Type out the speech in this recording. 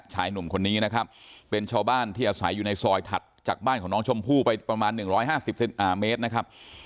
ชายหนุ่มคนนี้นะครับเป็นชาวบ้านที่อาศัยอยู่ในซอยถัดจากบ้านของน้องชมพู่ไปประมาณ๑๕๐เมตรนะครับ